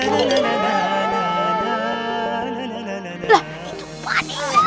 lah itu panik